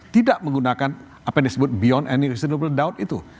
tidak menggunakan apa yang disebut beyond and reasonable doub itu